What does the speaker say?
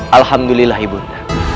alhamdulillah ibu nda